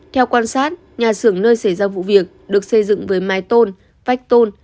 theo quan sát nhà xưởng nơi xảy ra vụ việc được xây dựng với mái tôn vách tôn